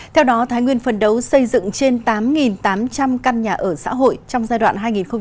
theo đó thái nguyên phấn đấu xây dựng trên tám tám trăm linh căn nhà ở xã hội trong giai đoạn hai nghìn hai mươi một hai nghìn hai mươi năm